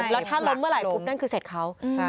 และถ้าร้มเมื่อไหลก็นั่นคือเสร็จเขา